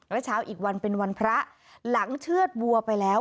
แล้วเช้าอีกวันเป็นวันพระหลังเชื่อดวัวไปแล้ว